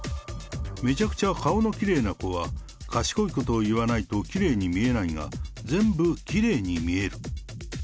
めちゃくちゃ顔のきれいな子は、賢いことを言わないときれいに見えないが、全部きれいに見える。